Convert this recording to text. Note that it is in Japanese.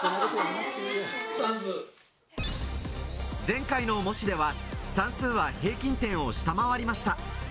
前回の模試では、算数は平均点を下回りました。